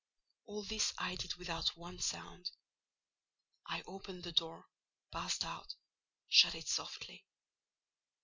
All this I did without one sound. I opened the door, passed out, shut it softly.